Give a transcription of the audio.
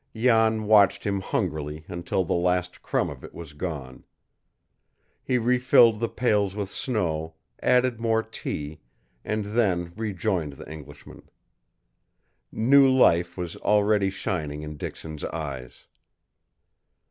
Jan watched him hungrily until the last crumb of it was gone. He refilled the pails with snow, added more tea, and then rejoined the Englishman. New life was already shining in Dixon's eyes.